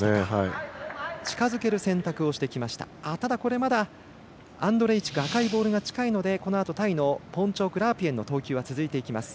まだ、アンドレイチク赤いボールが近いのでこのあと、タイのポーンチョーク・ラープイェンの投球続いていきます。